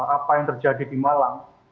apa yang terjadi di malang